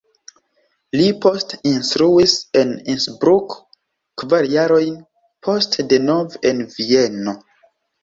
Li poste instruis en Innsbruck, kvar jarojn poste denove en Vieno.